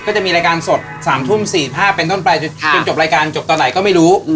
ก็จะมีรายการสด๓ทุ่ม๔๕เป็นต้นไปจนจบรายการจบตอนไหนก็ไม่รู้